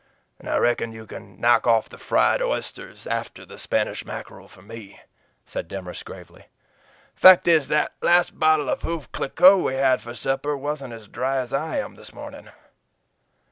"And I reckon you can knock off the fried oysters after the Spanish mackerel for ME," said Demorest gravely. "The fact is, that last bottle of Veuve Clicquot we had for supper wasn't as dry as I am this morning."